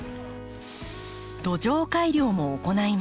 土壌改良も行います。